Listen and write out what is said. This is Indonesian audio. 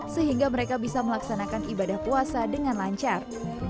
sehingga mereka bisa melaksanakan ibadah puasa dengan lancar